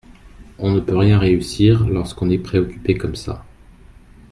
On ne peut rien réussir lorsque l’on est préoccupé comme ça.